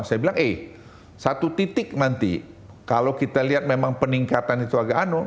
saya bilang eh satu titik nanti kalau kita lihat memang peningkatan itu agak ano